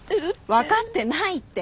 分かってないって。